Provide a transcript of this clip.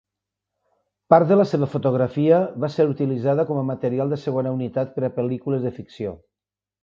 Part de la seva fotografia va ser utilitzada com a material de segona unitat per a pel·lícules de ficció.